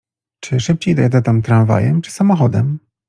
Czy szybciej dojadę tam tramwajem czy samochodem?